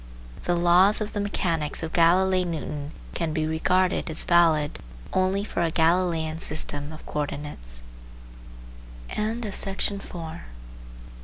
The laws of the mechanics of Galflei Newton can be regarded as valid only for a Galileian system of co ordinates.